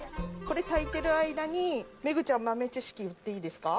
これ炊いてる間にメグちゃん豆知識言っていいですか？